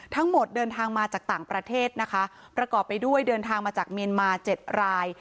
เดินทางมาจากต่างประเทศนะคะประกอบไปด้วยเดินทางมาจากเมียนมา๗ราย